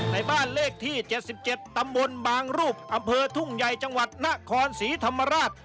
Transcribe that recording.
ในบ้านเลขที่๗๗ตำบลบางรูปอำเภอทุ่งใหญ่จังหวัดนครศรีธรรมราช